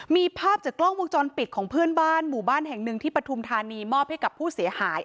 มีภาพจากกล้องวงจรปิดของเพื่อนบ้านหมู่บ้านแห่งหนึ่งที่ปฐุมธานีมอบให้กับผู้เสียหาย